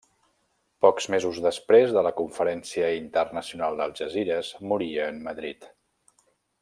Pocs mesos després de la Conferència Internacional d'Algesires, moria en Madrid.